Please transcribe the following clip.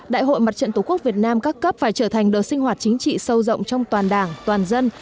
đại hội mặt trận tổ quốc việt nam các cấp phải trở thành đợt sinh hoạt chính trị sâu rộng trong toàn đảng toàn dân